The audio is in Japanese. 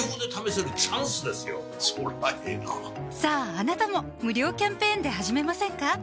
そりゃええなさぁあなたも無料キャンペーンで始めませんか？